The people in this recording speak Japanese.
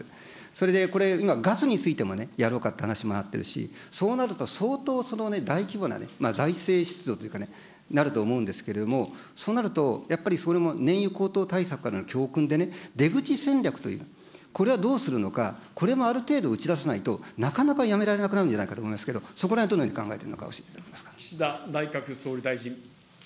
それで今、ガスについてもやろうかっていう話にもなってるし、そうなると、相当、大規模な財政出動というか、なると思うんですけれども、そうなると、やっぱりそれも燃油高騰対策からの教訓でね、出口戦略という、これはどうするのか、これもある程度打ち出さないと、なかなかやめられなくなるんじゃないかと思いますけど、そこらへん、どのように考えているか教えていただけますか。